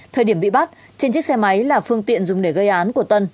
thời điểm bị bắt trên chiếc xe máy là phương tiện dùng để gây án của tân